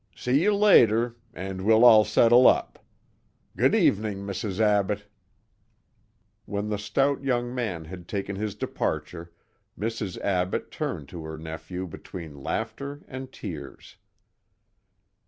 See you later, and we'll all settle up. Good evening, Mrs. Abbott." When the stout young man had taken his departure, Mrs. Abbott turned to her nephew between laughter and tears.